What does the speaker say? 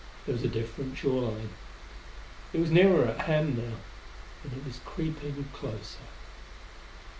There was a different shore line. It was nearer at hand now; and it was creeping closer.